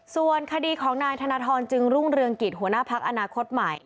ส่วนคดีของนายธนทรจึงรุ่งเรืองกิจหัวหน้าพักอนาคตใหม่